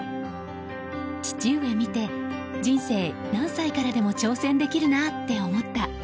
父上見て、人生何歳からでも挑戦できるなって思った。